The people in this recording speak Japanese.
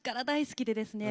大好きです。